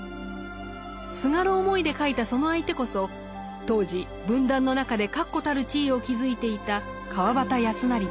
すがる思いで書いたその相手こそ当時文壇の中で確固たる地位を築いていた川端康成でした。